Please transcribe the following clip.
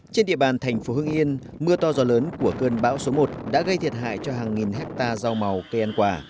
trên địa bàn thành phố hưng yên mưa to gió lớn của cơn bão số một đã gây thiệt hại cho hàng nghìn hectare rau màu cây ăn quả